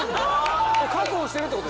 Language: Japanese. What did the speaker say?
確保してるってこと？